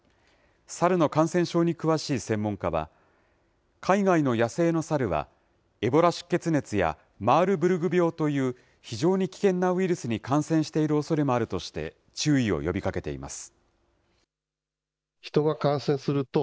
猿の感染症に詳しい専門家は、海外の野生の猿はエボラ出血熱やマールブルグ病という非常に危険なウイルスに感染しているおそれもあるとして、注意を呼びかけています。